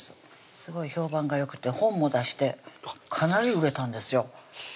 すごい評判がよくて本も出してかなり売れたんですよ